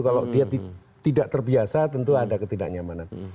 kalau dia tidak terbiasa tentu ada ketidaknyamanan